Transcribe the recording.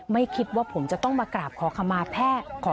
ไม่คิดว่าผมจะต้องมากราบขอขมาแพทย์